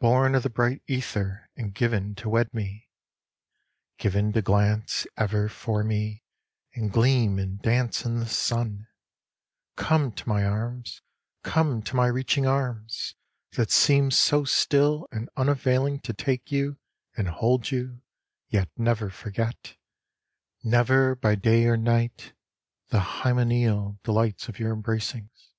Born of the bright ether and given to wed me, Given to glance, ever, for me, and gleam and dance in the sun Come to my arms, come to my reaching arms, That seem so still and unavailing to take you, and hold you, Yet never forget, Never by day or night, The hymeneal delights of your embracings.